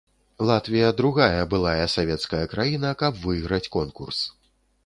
Латвія другая былая савецкая краіна, каб выйграць конкурс.